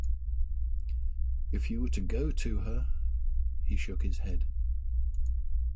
"If you were to go to her;" He shook his head.